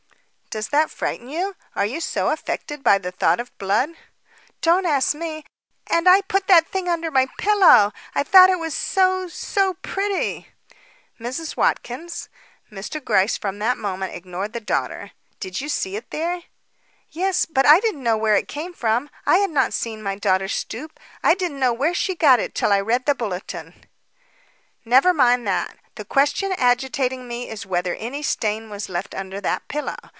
"Does that frighten you? Are you so affected by the thought of blood?" "Don't ask me. And I put the thing under my pillow! I thought it was so so pretty." "Mrs. Watkins," Mr. Gryce from that moment ignored the daughter, "did you see it there?" "Yes; but I didn't know where it came from. I had not seen my daughter stoop. I didn't know where she got it till I read that bulletin." "Never mind that. The question agitating me is whether any stain was left under that pillow.